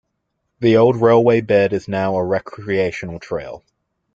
The old railway bed is now a recreational trail.